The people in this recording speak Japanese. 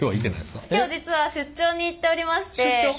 今日実は出張に行っておりまして。